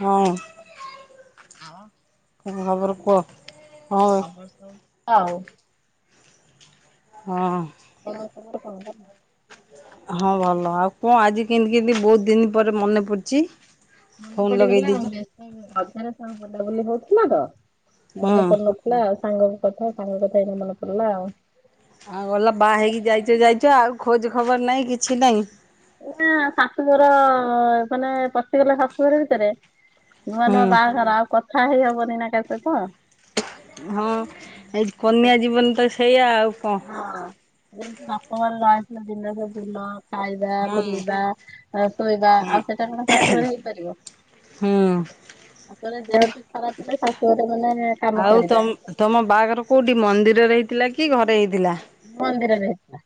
ହଁ। ଆଉ କଣ ଖବର କୁହ ହଁ। ଆଉ ହଁ। କଣ ଖବର କଣ ଭଲ? ହଁ ଭଲ ଆଉ କଣ ଆଜି କେମତି କେତି ବହୁତ ଦିନ ପରେ ମନେ ପଡିଛି। ମନେ ପଡିଗଲା [inaudible] ମନେ ହୁଁ। ପଡୁନଥିଲା ଆଉ ସାଙ୍ଗଙ୍କ କଥା ସାଙ୍ଗ କଥା ହେଇକି ମନ ପଡିଲା ଆଉ। ଆଉ ଗଲା ବାହା ହେଇକି ଯାଇଛ ଯାଇଛ ଆଉ ଖୋଜ ଖବର ନାହିଁ କିଛି ନାହିଁ। ନା ଶାଶୁଘର ମାନେ ପଶିଗଲେ ଶାଶୁଘର ଭିତରେ ନୂଆ ନୂଆ ହୁଁ। ବାହାଘର ଆଉ କଥା ହେଇ ହବନି ନା କା ସହିତ। ହଁ ଏଇ କନ୍ୟା ଜୀବନ ତ ସେଇଆ ଆଉ କଣ? ହଁ ତମ [inaudible] ଯେମିତି ବାପା ଖାଇବା ହୁଁ। ବୁଲିବା ଶୋଇବା, ହୁଁ ଆଉ ସେଇଟା କଣ ଶାଶୁଘରେ ହେଇପାରିବ। ହୁଁ ତାପରେ ଦେହ ବି ଖରାପ ଥିଲା ଶାଶୁ ଗଟେ ମାନେ କାମ ଆଉ ତ କରିବା ତମ ବାହାଘର କୋଉଠି ମନ୍ଦିରରେ ହେଇଥିଲା କି ଘରେ ହେଇଥିଲା? ମନ୍ଦିରରେ ହେଇଥିଲା।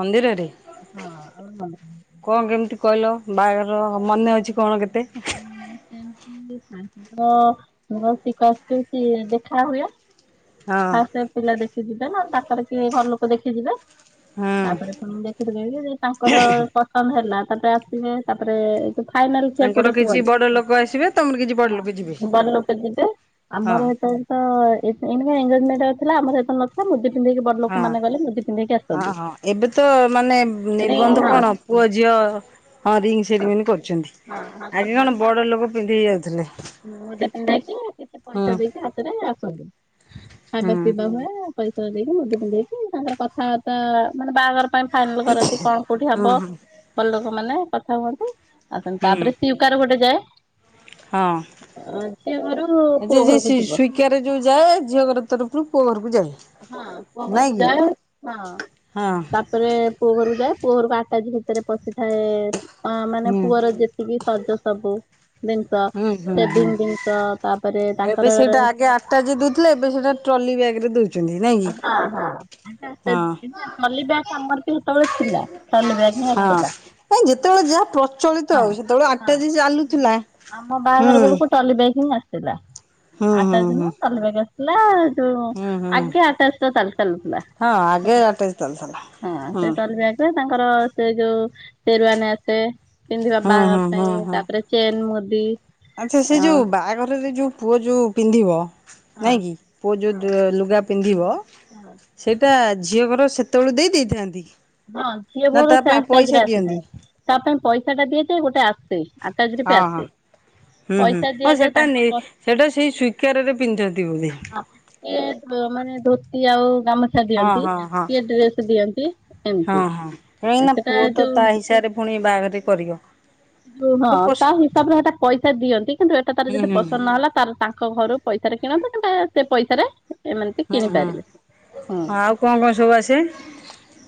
ମନ୍ଦିରରେ ହଁ। କଣ କେମିତି କହିଲ ବାହାଘର ମନେ ଅଛି କଣ କେତେ? ହୁଁ ସେମତି [unintelligible] ହଁ ଫାଷ୍ଟ ଟାଇମ ପିଲା ଦେଖି ଯିବେ ନା ତାଙ୍କରେ କିଏ ଘର ଲୋକ ଦେଖିଯିବେ? ହୁଁ। ତାପରେ ପୁଣି ଦେଖିଥିବେ ଯେ ତାଙ୍କର ପସନ୍ଦ ହେଲା ତାପରେ ଆସିବେ। ତାପରେ ଯୋଉ ଫାଇନାଲ କୋଟେ ତାଙ୍କର କିଛି କୁହନ୍ତି ବଡ ଲୋକ ଆସିବେ ତମର କିଛି ବଡ ଲୋକ ଯିବେ। ଘର ଲୋକ ଯିବେ ହଁ ଆମର ଏପଟେ [unintelligible] ମୁଦି ପିନ୍ଧେଇକି ବଡ ଲୋକ ହଁ ମାନେ ଗଲେ ମୁଦି ପିନ୍ଧେଇକି ହଁ ଆସନ୍ତି ହଁ ଏବେ ତ ମାନେ ନିର୍ବନ୍ଧ କଣ [unintelligible] ପୁଅ ଝିଅ ହଁ ରିଙ୍ଗ ସେରିମନି କରୁଛନ୍ତି। ହଁ ହଁ ଆଗେ କଣ ବଡ଼ ଲୋକ ପିନ୍ଧେଇ ଯାଉଥିଲେ। ହ ମୁଦି ପିନ୍ଦେଇକି କିଛି ହୁଁ ପଇସା ଦେଇକି ହାତରେ ଆସନ୍ତି ହୁଁ। ଖାଇବା ପିଇବା ହୁଏ। ପଇସା ଦେଇକି ମୁଦି ପିନ୍ଧେଇକି ତାଙ୍କର କଥାବାର୍ତ୍ତା ମାନେ ବାହାଘର ପାଇଁ- ଫାଇନାଲ କରନ୍ତି କଣ କୋଉଠି ହୁଁ ହବ ହୁଁ। ଘର ଲୋକ ମାନେ କଥା ହୁଅନ୍ତି ଆଉ ହୁଁ ତାପରେ କାର ଗୋଟେ ଯାଏ। ହଁ ଝିଅ ଘରୁ ପୁଅ ଘରକୁ ଯିବ [unintelligible] କାରେ ଯୋଉ ଯାଏ ଝିଅ ଘର ତରଫରୁ ପୁଅ ଘରକୁ ଯାଏ। ହଁ ପୁଅ ନାଇଁ ଘରକୁ କି ଯାଏ ହଁ ହଁ ତା ପରେ ପୁଅ ଘରକୁ ଯାଏ ପୁଅ ଘରକୁ ଆଟାଜି ଭିତରେ ପଶିଥାଏ ଅ ମାନେ ହୁଁ। ପୁଅର ଯେତିକି ସଜ ସବୁ ହୁଁ ହୁଁ ସେଭିଙ୍ଗି ହୁଁ ଜିନିଷ ତାପରେ ତାଙ୍କର ଆଟାଜି ରେ ଦଉଥିଲେ ଏବେ ସେଇଟା ଟ୍ରଲି ବ୍ୟାଗ ରେ ଦଉଛନ୍ତି। ନାଇଁ କି [unintelligible] ହଁ। ସେତେବେଳେ ଥିଲା ଟ୍ରଲି ବ୍ୟାଗ୍ ହିଁ ହଁ ଆସୁଥିଲା। ନାଇଁ ଯେତେବେଳେ ଯାହା ପ୍ରଚଳିତ ହଁ ଆଉ ସେତେବେଳେ ହଁ ଆଟାଜି ଚାଲୁଥିଲା ହୁଁ। ଟ୍ରଲି ବ୍ୟାଗ ହିଁ ଆସିଥିଲା ହୁଁ ହୁଁ ଆଟାଜି ହୁଁ। ନୁହଁ ଟ୍ରଲି ବ୍ୟାଗ ଆସିଥିଲା ଯୋଉ ହୁଁ ହୁଁ ଆଗ [unintelligible] ତାଙ୍କର ସେ ଯୋଉ ହଁ ଆଗେ ଆଟାଜି ଚାଲୁଥିଲା ହୁଁ। ସେରୁଆାନେ ଆସେ ପିନ୍ଧିବା ହୁଁ ବାହାଘର ହୁଁ ହୁଁ ପାଇଁ ହୁଁ। ତାପରେ ଚେନ୍ ମୁଦି ଆଚ୍ଛା ସେ ଯୋଉ ଅଁ, ବାହାଘରରେ ଯୋଉ ପୁଅ ଯୋଉ ପିନ୍ଧିବ ହଁ ନାଇଁ କି ପୁଅ ହଁ ଯୋଉ ଲୁଗା ପିନ୍ଧିବ ହଁ ସେଇଟା ଝିଅ ଘର ସେତେବେଳେ ଦେଇ ଦେଇଥାନ୍ତି? ହଁ ଝିଅ ନା ଘରୁ ତା ସେ ପାଇଁ ଆଟାଜ ପଇସା ରେ ଦିଅନ୍ତି? ଆସିଥାଏ ତା ପାଇଁ ପଇସା ଟା ଦିଏ ଯାଏ ଗୋଟେ ଆଟାଜ ରେ ହଁ ବି ହଁ ଆସେ ପଇସା ଦିଆଯାଏ ତାଙ୍କ ପଶ ସେଇଟା ସେଇ ସ୍ୱୀକାରରେ ପିନ୍ଧନ୍ତି ବୋଲି। ଇଏ ମାନେ ଧୋତି ଆଉ ଗାମୁଛା ହଁ ଦିଅନ୍ତି ହଁ ହଁ କିଏ ଡ୍ରେସ ଦିଅନ୍ତି ହଁ ଏମିତି ହଁ କାହିଁକି ନା ସେଟା ପୁଅ ତ ତା ଯୋଉ ହିସାବରେ ପୁଣି ବାହାଘରେ କରିବ। ଯୋଉ ହଁ ହୁଁ ତା ହୁଁ ହିସାବରେ ସେଇଟା ପଇସା ଦିଅନ୍ତି କିନ୍ତୁ ଏଇଟା ତାର ଯଦି ହୁଁ ପସନ୍ଦ ନହେଲା ତାର ତା ଙ୍କ ଘରୁ ପଇସାରେ କିଣନ୍ତୁ କିମ୍ବା ସେ ପଇସାରେ ଏମାନେ ବି ହୁଁ ହୁଁ କିଣିପାରିବେ ହୁଁ। ଆଉ କଣ କଣ ସବୁ ଆସେ?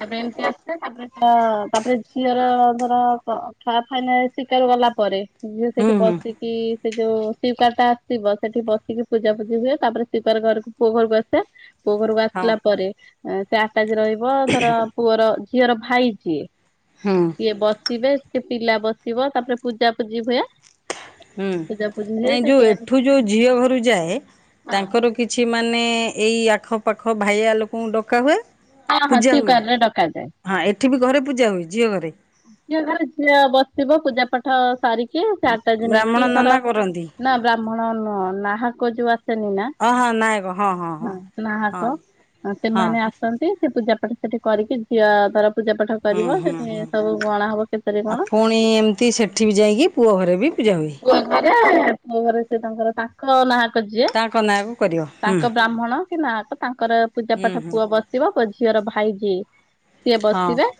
ତାପରେ ଏମତି [unintelligible] ତାପରେ ତା ଝିଅର ଧର [unintelligible] ହାଇ [unintelligible] ଶିକାର ଗଲା ପରେ ଝିଅ ହୁଁ ସେଇଠି ହୁଁ ବସିକି କି ସେ ଯୋଉ ଶିକ୍ଵାର ଟା ଆସଥିବ ସେଠି ବସିକି ପୂଜାପୂଜି ହୁଏ ତାପରେ ଶିିକ୍ଵାର ଧରିକି ପୁଅ ଘରକୁ ଆସେ ପୁଅ ଘରକୁ ହଁ ଆସିଲା ପରେ ସେ ଆଟାଜ ରହିବ ଧର ପୁଅର ଝିଅର ଭାଇ ଯିଏ। ହଁ। ସିଏ ବସିବେ ସେ ପିଲା ବସିବ ତାପରେ ପୂଜା ପୂଜି ହୁଏ। ହୁଁ ପୂଜା ପୂଜି ହୁଏ ନାଇଁ ସେ ଯେଉଁ ଏଠୁ ଯେଉ ଝିଅ ଘରୁ ଯାଏ ହଁ ତାଙ୍କର କିଛି ମାନେ ଏଇ ଆଖପାଖ ଭାଇଆ ଲୋକଙ୍କୁ ଡକା ହୁଏ। ହଁ ହଁ ପୂଜା ହୁଏ ସକାର ଡକାାଯାଏ [inaudible] ହଁ ଏଠି ବି ଘରେ ପୂଜା ହୁଏ ଝିଅ ଘରେ। ଝିଅ ଘରେ ଝିଅ ବସିବ ପୂଜା ପାଠ ସାରିକି ଚାରଟାଜ ବ୍ରାହ୍ମଣ ନେଇକି ନନା ତାର। କରନ୍ତି। ନା ବ୍ରାହ୍ମଣ ନୁହଁ ନାହାକ ଯୋଉ ଆସେନି ନା? ହଁ ନା ହଁ ନାହାକ ହଁ। ସେମାନେ ଆ ସେ ପୂଜାପାଠ ସେଠି କରିକି ଝିଅ ତର ପୂଜା ପାଠ ହୁଁ କରିବ ହୁଁ ସେଠି ହୁଁ। ସବୁ ଗଣା ହବ କେତେରେ ଆ କଣ ପୁଣି ଏମତି ସେଠି ବି ଯାଇକି ପୁଅ ଘରେ ବି ପୂଜା ହୁଏ। ଘରେ ସେ ତାଙ୍କର ତା [unintelligible] ନାଆକ ଯିଏ ତାଙ୍କ ନାଁକୁ କରିବ ହୁଁ ତାଙ୍କ ବ୍ରାହ୍ମଣ କି ନାକ ତାଙ୍କର ପୂଜା ହୁଁ ପାଠ ହୁଁ ପୁଅ ବସି ବସିବ ଝିଅର ଭାଇଜିି ସିଏ ହଁ ବସିବେ।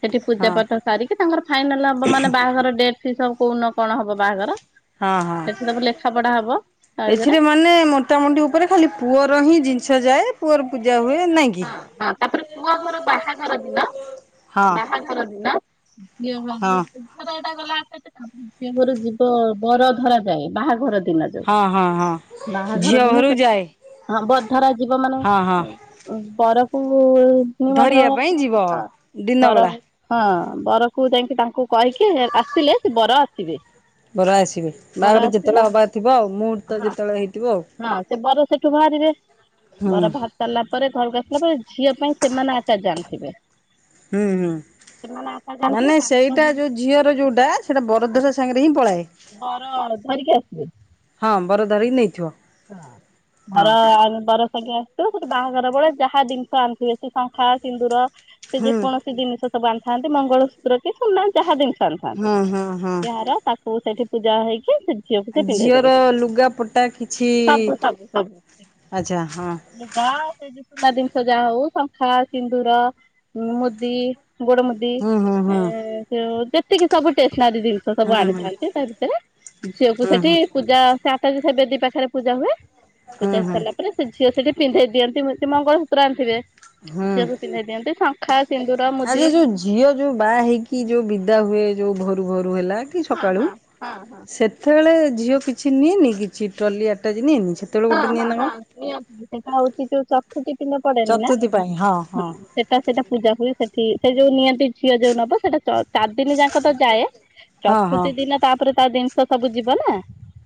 ସେଠି ପୂଜା ହଁ ପାଠ ସାରିକି ତାଙ୍କର ଫାଇନାଲ ହବ ମାନେ ବାହାଘର ଡେଟ୍ ଫିବ କୋଉନ କଣ ହବ ବାହାଘର। ହଁ ହଁ ସେଠି ସବୁ ଲେଖା ପଢା ହବ ତା ଭିତରେ ଏଥିରେ ମାନେ ମୋ ମୋଟାମୋଟି ଉପରେ ଖାଲି ପୁଅର ହିଁ ଜିନିଷ ଯାଏ ପୁଅର ପୂଜା ହୁଏ ନାହିଁ କି? ହଁ ହଁ ତାପରେ ପୁଅ ଘର ବାହାଘର ଦିନ ହଁ ବାହାଘର ଦିନ। ଯେ ହଁ [unintelligible] ଟ ଗଲା ଯିବ ବର ଧର ଯାଏ ବାହାଘର ଦିନାରେ। ହଁ ହଁ ହଁ ବାହାଘର ଝିଅ ଦିନ ଘରୁ ସେ ଯାଏ ହଁ ବରଧରା ଯିବ ମାନେ ହଁ ହଁ। ବରଫନ ମାତ୍ର ଧରିବା ପାଇଁ ଯିବ ଦିନ ବେଳା ବରଫ। ହଁ ବରକୁ ଯାଇକି ତାଙ୍କୁ କହିକି ଆସିଲେ ସେ ବର ଆସିବେ। ବରା ଆସିବେ ବର ବାହାଘରେ ଆସିଲେ ଯେତେବେଳେ ହବାର ଥିବ ଆଉ ମୁହୂର୍ତ୍ତ ହଁ ଯେତେବେଳେ ହେଇଥିବ ଆଉ। ହଁ ସେ ବର ସେଠୁ ବାହାରିବେ ହୁଁ ବର ବାହାର ସାରିଲ ପରେ ଘରକୁ ଆସିଲା ପରେ ଝିଅ ପାଇଁ ସେମାନେ ଆଟା ଜାଣିଥିବେ। ହୁଁ ହୁଁ। କି ଆ [unintelligible] ମାନେ ସେଇଟା ଯୋଉ ଝିଅର ଯୋଉଟା ସେଇଟା ବରଦଶା ସାଙ୍ଗରେ ହିଁ ପଳାଏ। ବର ଧରିକି ଆସିବେ। ହଁ ବର ଧରିକି ନେଇଥିବ। ବର ହଁ ଆମେ ବର। ଜ ଆସିିବ ସେଟେ ବାହାଘର ବେଳେ ଯାହା ଜିନିଷ ଆଣିଥେ ସେ ଶଙ୍ଖା ସିନ୍ଦୁର ସେ ହୁଁ। ଯେକୌଣସି ସେ ଜିନିଷ ସବୁ ଆଣିଥାନ୍ତି ମଙ୍ଗଳସୂତ୍ର କି ସୁନା ଯାହା ଜିନିଷ ଆଣିଥାନ୍ତି ହଁ ହଁ ହଁ ଏହାର ତାକୁ ସେଇଠି ପୂଜା ହେଇକି ସେ ଝିଅକୁ ଆ ଝିଅର ଲୁଗା ପଟା କି ସୁ ସୁ ସୁା। ହଁ ସେ ସୁନା ଜିନିଷ ଯାହା ହଉ ଶଙ୍ଖା ସିନ୍ଦୁର ମୁଦି ଗୋଡ ମୁଦି ହୁଁ ହୁଁ ହୁଁ ଯେତିକି ସବୁ ଟେସନାରୀ ଜିନ ସବୁ ହୁଁ ହୁଁ ଆଣିଥାନ୍ତି ତା ଭିତରେ ଝିଅକୁ ହୁଁ ସେଠି ହୁଁ ପୂଜା ସେ ଆତା ସେ ବେଦି ପାଖରେ ପୂଜା ହୁଏ। ହୁଁ ପୂଜା ହୁଁ ସାରିଲା ପରେ ସେ ଝିଅ ସେଠି ପିନ୍ଧେଇ ଦିଅନ୍ତି ସେ ମଙ୍ଗଳ ସୂତ୍ର ଆଣିଥିବେ। ଝିଅକୁ ପିନ୍ଧାଇ ଦିଅନ୍ତି ଶଙ୍ଖା। ସିନ୍ଦୁର ମୁଦି ଆଜି ଯୋଉ ଝିଅ ଯୋଉ ବାହା ହେଇକି ଯୋଉ ବିଦା ହୁଏ ଯୋଉ ଘରୁ ଘରୁ ହେଲା। ହଁ ସକାଳୁ ହଁ ହଁ ହଁ ସେତେବେଳେ ଝିଅ କିଛି ନିଏନି କିଛି ଟ୍ରଲି ଆଟାଚ ନିଏନି ସେ? ସେଟା ହଉଛି ଯୋଉ ଚତୁର୍ଥି ପିଣ୍ଡ ପଡେନି ନା ଚତୁର୍ଥୀ ପାଇଁ ହଁ ହୁଁ। ହଁ। ସେଟା ସେଟା ପୂଜା ହୁଏ ସେଠି ସେ ଯୋଉ ନିହାତି ଝିଅ ଯୋଉ ନବ ସେଇଟା ଚ ଚାରି ଦିନି ଯାଙ୍କ ତ ଯାଏ ହଁ ହଁ ଚତୁର୍ଥୀ ଦିନ ତାପରେ ତା ଜିନିଷ ସବୁ ଯିବ ନା।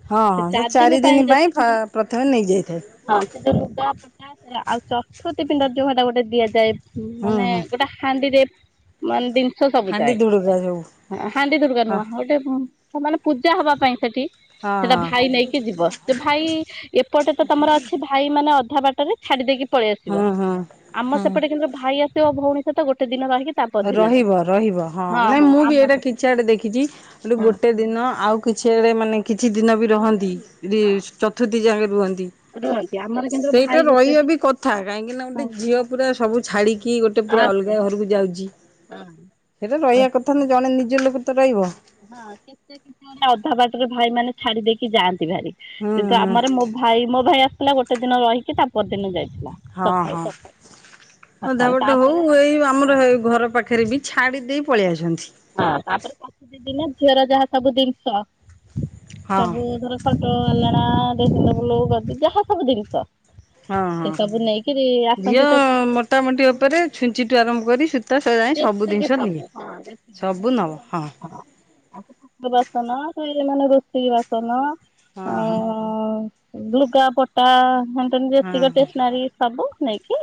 ହଁ ହଁ ସେ ଚାରି ଦିନ ପାଇଁ ପ ପ୍ରଥମେ ନେଇଯାଇଥାଏ। ହଁ ସେ ଯୋଉ ଲୁଗା ପଟା ସେରା ଆଉ ଚତୁର୍ଥୀ ପିଣ୍ଡ ଯୋଉ ସେଟା ଗୋଟେ ଦିଆଯାଏ ହୁଁ ମାନେ ହୁଁ। ସେଟା। ହାଣ୍ଡିରେ ମାନେ ଜିନିଷ ସବୁ ହାଣ୍ଡି ଯାଏ ଧୁଡୁକା ସବୁ। ହଁ ହାଣ୍ଡି ଧୁଡୁକା ହଁ ନୁହଁ ହ ଯୋଉ ହଁ ମାନେ ପୂଜା ହବା ପାଇଁ ସେଠି, ହଁ ସେଟା ହଁ ଭାଇ ନେଇକି ଯିବ ସେ ଭାଇ। ଏପଟେ ତ ତମର ଅଛି ଭାଇ ମାନେ ଅଧା ବାଟରେ ଛାଡ଼ି ଦେଇେକି। ପଳେଇ ଆସିବ, ହଁ ହଁ। ଆମ ହୁଁ। ସେପଟେ କିନ୍ତୁ ଭାଇ ଆସିବ ଭଉଣୀ ସହିତ ଗୋଟେ ଦିନ ରହିକି। ତା ପରଦିନ ଯିବ ରହିବ ରହିବ, ହଁ ନାଇଁ ମୁଁ ବି ଏଇଟା କିଛି ଆଡେ ଦେଖିଛି ହଁ ଗୋଟେ ଦିନ ଆଉ କିଛି ଆଡ଼େ ମାନେ କିଛି ଦିନ ବି ରହନ୍ତି, ଯେ ଚତୁର୍ଥୀ ଯାକେ ରୁହନ୍ତି। ରୁହନ୍ତି ଆମ ସେଇଟା ରହିବା ବି କଥା, କାହିଁକି ନା ଗୋଟେ ଝିଅ ପୁରା ସବୁ ଛାଡିକି ଗୋଟେ ପୁରା ଆସେ ଅଲଗା ଘରକୁ ଯାଉଛି। ହଁ। ସେଇଟା ରହିବା କଥା ନା ଜଣେ ନିଜ ଲୋକ ତ ରହିବ। ହଁ କେତ କେତ ଆଡେ ଅଧା ବାଟରେ ଭାଇ ମାନେ। ଛାଡି ଦେଇକି ଯାଆନ୍ତି ଭାରି, ହୁଁ କିନ୍ତୁ ହୁଁ ଆମର ମୋ ଭାଇ ମୋ ଭାଇ ଆସିଥିଲା ଗୋଟ୍ ଟେ ଦିନ ରହିକି ତା ପର ଦିନ ଯାଇଥିଲା। ହଁ ସକାଳୁ ହଁ ସକାଳୁ ଅଧାବାଟେ ତାପରେ ହଉ ଏଇ ଆମର ଏ ଘର ପାଖରେ ବି ଛାଡ଼ି ଦେଇ ପଳେଇ ଆସନ୍ତି। ହଁ ତାପରେ ଚତୁର୍ଥୀ ଦିନ ଝିଅର ଯାହା ସବୁ ଜିନିଷ ହଁ ସବୁ ଧର ଖଟ ଆଲଣା ଡ୍ରେସିଂ ଟେବୁଲ୍ ଗଡି ଯାହା ସବୁ ଜିନିସ। ହଁ ହଁ ଝିଅ ଆସନ୍ତି ତ ମୋଟାମୋଟି ଉପରେ ଛୁଞ୍ଚିଠୁ ଆରମ୍ଭ କରି ସୂତ ଯେତିକି ସବୁ ହଁ ଯେତିକି ସବୁ ଯେତିକି ନବ ହଁ ସବୁ [inaudible] ଆଉ ଠାକୁର ବାସନ ସେ ମାନେ ରୋଷେଇ ବାସନ ଆ ହଁ ହଁ ଅଁ ଲୁଗା ପଟା ହେନେ ତେନେ ହଁ ଯେତିକ ଷ୍ଟେସନାରୀ ସବୁ ନେଇକି।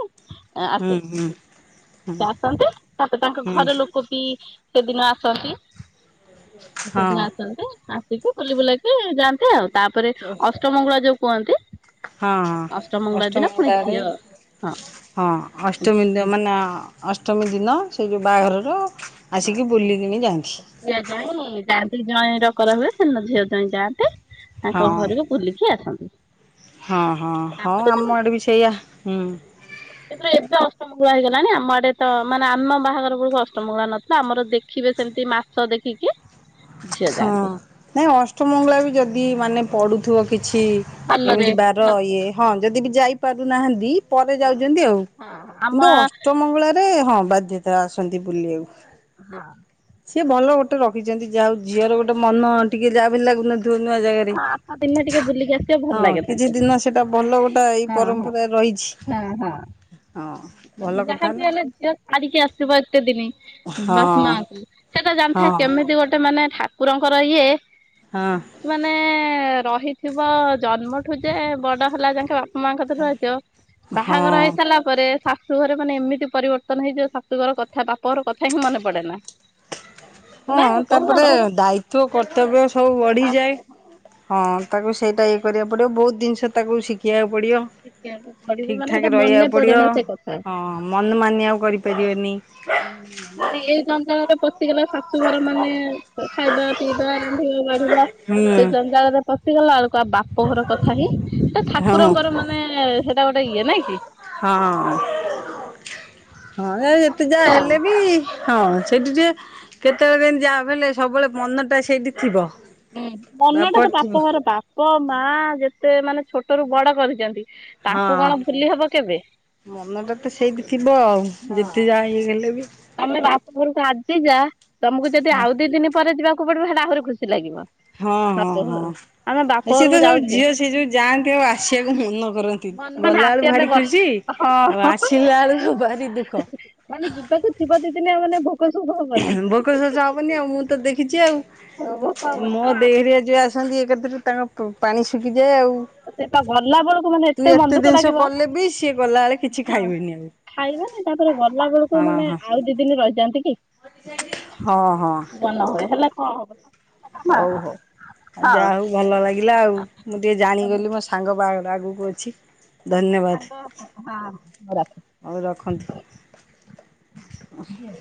ଆ ହୁଁ ଆସେ ହୁଁ ଆସନ୍ତି। ତାପରେ ତାଙ୍କ ହୁଁ ଘରେ ଲୋକ ବି ସେଦିନ ଆସନ୍ତି ହଁ ସେଦିନ ଆସନ୍ତି। ବୁଲି ବୁଲାକି ଯାଆନ୍ତି ଆଉ, ତାପରେ ଅଷ୍ଟମଙ୍ଗଳା ଯୋଉ କୁହନ୍ତି। ହଁ ହଁ ଅଷ୍ଟମଙ୍ଗୁଳା ଦିନ ପୁଣି ଅଷ୍ଟମଙ୍ଗଳା ଆଡେ ଝିଅ ହଁ ହଁ ଅଷ୍ଟମୀ ମାନେ ଅଷ୍ଟମୀ ଦିନ ସେ ଯୋଉ ବାହାଘରର ଆସିକି ବୁଲି କିଣି ଯାଆନ୍ତି। ଝିଅ ଜଇଁ ଯାଆନ୍ତି ଜଇଁ ଡକରା ହୁଏ, ସେ ଦିନ ଝିଅ ଜଇଁ ଯାଆନ୍ତି ହଁ ତାଙ୍କ ଘରୁକୁ। ବୁଲିକି ଆସନ୍ତି। ହଁ ହଁ ହଁ ତାପରେ ତମେ ଆମ ଆଡ଼େ ବି ସେଇଆ ହୁଁ। କିନ୍ତୁ ଏବେ ଅଷ୍ଟମ ମଙ୍ଗୁଳା ହେଇଗଲାଣି, ଆମ ଆଡେ ତ ମାନେ ଆମ ବାହାଘର ବେଳକୁ ଅଷ୍ଟମଗୁଳା ନଥିଲା। ଲା ଆମର ଦେଖିବେ ସେମିତି ମାସ ଦେଖିକି। ଝିଅ ହଁ ଯାଆନ୍ତି ନାଇଁ ଅଷ୍ଟମଙ୍ଗଳା ବି ଯଦି ମାନେ ପଡ଼ୁଥିବ କିଛି। ଭଲରେ ଏମିତି ବାର ଇଏ, ହଁ ଯଦି ବି ଯାଇ ପାରୁନାହାନ୍ତି ପରେ ଯାଉଛନ୍ତି ଆଉ। ଆମ କିନ୍ତୁ ଅଷ୍ଟମଙ୍ଗୁଳାରେ ହଁ ବାଧ୍ୟତା ଆସନ୍ତି ବୁଲିବାକୁ। ହଁ। ସିଏ ଭଲ ଗୋଟେ ରଖିଛନ୍ତି, ଯାହା ହଉ ଝିଅର ଗୋଟେ ମନ ଟିକେ ଯାହା ଭି ହେଲେ ଲାଗୁନ ଥିବ ନୂଆ ଜାଗାରେ, ଆଠ ଦିନରେ ଟିକେ ବୁଲିକି ଆସିବ ଭଲ ହଁ ଲାଗେ କିଛି ତାଙ୍କୁ ଦିନ ସେଟା ଭଲ ଗୋଟେ ଏଇ ପରମ୍ପରା ରହିଛି। ହଁ ହଁ। ହଁ। ଭଲ ଯାହା କଥା ବି ନା ହେଲେ ଝିଅ ଛାଡ଼ିକି ଆସିବ ଏତେ ଦିନି ହଁ ବାପ ମାଙ୍କୁ। ସେଟା ଜାଣିଥା ହଁ କେମିତି ଗୋଟେ ମାନେ ଠାକୁରଙ୍କର ଇଏ। ହଁ। ମାନେ ରହିଥିବ ଜନ୍ମଠୁ ଯେ ବଡ ହେଲା ଯାଙ୍କ ମାଙ୍କ କତିରେ ରହିଥିବ। ବାହାଘର ହଁ ହେଇସାରିଲା ପରେ। ଶାଶୁଘରେ ମାନେ ଏମିତି ପରିବର୍ତ୍ତନ ହେଇଯିବ ଶାଶୁଘର କଥା ବାପ ଘର କଥା ହିଁ ମନେ ପଡେ ନା। ହଁ ନା କହୁନ ତାପରେ ରହ ଦାୟିତ୍ବ କର୍ତ୍ତବ୍ୟ ସବୁ ବଢିଯାଏ। ହଁ ତାକୁ ସେଇଟା ଇଏ କରିବାକୁ ପଡ଼ିବ ବହୁତ ଜିନିଷ ତାକୁ ଶିଖିବାକୁ ପଡ଼ିବ। ଟିକେ ପଡିବ ଠିକ୍ ମାନେ ଠାକ୍ ସେଇଟା ମନେ ରହିବାକୁ ପଡେ ପଡ଼ିବ ନା ସେ କଥା। ହଁ ମନ ମାନିଆ ଆଉ କରିପାରିବନି। ଉଁ ମାନେ ଏ ଜଞ୍ଚାଳରେ ପଶିଗଲେ ଶାଶୁଘର ମାନେ ଖାଇବା। ପିଇବା, ରାନ୍ଧିଆ, ବାଢ଼ିବା। ହୁଁ ସେ ଜଞ୍ଜାଳରେ ପଶିଗଲା ବେଳକୁ ଆଉ ବାପ ଘର କଥା ହିଁ ସେ ହଁ ଠାକୁରଙ୍କର ମା ନେ ସେଇଟା ଗୋଟେ ଇଏ ନାଇ କି। ହଁ ହଁ ଏ ଯେତେ ଯାହା ହେଲେ ବି। ହଁ ସେଇଠି ଟିକେ କେତେବେଳେ କେମିତି ଯାହା ବି ହେଲେ ସବୁବେଳେ ମନଟା ସେଇଠି ଥିବ। ହୁଁ ମନ ଟା ବାପର ତ ଥିବ ବାପ ଘର ବାପ, ମା ଯେତେ ମାନେ ଛୋଟରୁୁ ବଡ କରିଛନ୍ତି। ହଁ ତାଙ୍କୁ କଣ ଭୁଲି ହବ କେବ ମନଟା ତ ସେଇଠି ଥିବ ଆଉ ଯେତେ ଯାହା ହେଇଗଲେ ବି। ତମେ ବାପଘରକୁ ଆଜି ଯା ତମକୁ ଯଦି ହଁ ଆଉ ଦି ଦିନ ପରେ ଯିବାକୁ ପଡିବ ହେଲେ ଆହୁରି ଖୁସି ଲାଗିବ। ହଁ ହଁ ବାପ ହଁ ଘରକୁ ଆମେ ବାପ ଏଇ ସିଏ ଘରକୁ ତ ସବୁ ଯାଉଛେ ଝିଅ ସିଏ ଯୋଉ ଯାଆନ୍ତି ଆଉ ଆସିବାକୁ ମନ କର ନ୍ତି ମାନେ ଗଲା ବେଳୁ ଆସିବା ପାଇଁ ଭାରି ଗଲୁ ଖୁସି ଆଉ ହଁ। ଆସିଲା ବେଳକୁ ଭାରି ଦୁଃଖ। ମାନେ ଯିବାକୁ ଥିବ ଦି ଦିନ ଆଉ ମାନେ ଭୋକ ଶୋଷ ହବନି। ଭୋକ ଶୋଷ ହବନି ଆଉ ମୁଁ ତ ଦେଖିଛି ଆଉ ଭୋକ ହବନି ମୋ ଆଉ ଡେଇରିଆ ଯିଏ ଆସନ୍ତି ଏକାଥରେ ତାଙ୍କ ପ ପାଣି ଶୁଖିଯାଏ ଆଉ। ସେଟା ଗଲା ବେଳକୁ ମାନେ ତୁ ମନ ଏତେ ଦୁଃଖ ଜିନିଷ ଲାଗିବ କଲେ ବି ସିଏ ଗଲା ବେଳେ କିଛି ଖାଇବେନି ଆଉ। ଖାଇବନି ତାପରେ ଗଲା ବେଳକୁ ହଁ ମାନେ ହଁ। ଆଉ ଦି ଦିନ ରହିଯାଆନ୍ତି କି। ହଁ ହଁ। [unintelligible] ନ ହଏ। ହେଲେ କଣ ହବ? ହଉ ହଁ ହଉ ଆଉ ହଁ ଯାହା ହଉ ଭଲ ଲାଗିଲା ଆଉ ମୁଁ ଟିକେ ଜାଣିଗଲି ମୋ ସାଙ୍ଗ ବାହାଘର ଆଗକୁ ଅଛି। ଧନ୍ୟବାଦ ହଉ ରଖେ। ହଉ ରଖନ୍ତୁ। [inaudible]